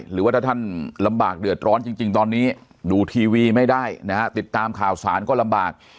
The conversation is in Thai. หรือว่าถ้าท่านลำบากเดือดร้อนจริงตอนนี้ดูทีวีไม่ได้นะฮะติดตามข่าวสารก็ลำบาก